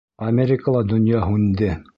Америкала донъя һүнде.